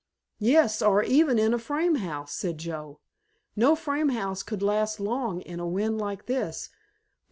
"Yes, or even in a frame house," said Joe. "No frame house could last long in a wind like this.